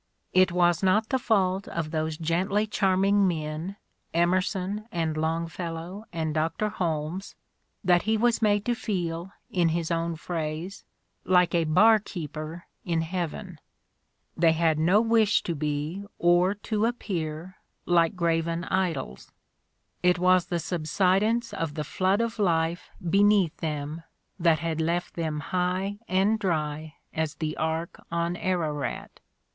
It was not the fault of those gently charming men, Emerson and Longfellow and Dr. Holmes, that he was made to feel, in his own phrase, "like a barkeeper in heaven." They had no wish to be, or to appear, like graven idols; it was the subsidence of the flood of life beneath them that had left them high and dry as the ark on Ararat.